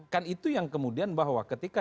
kan itu yang kemudian bahwa ketika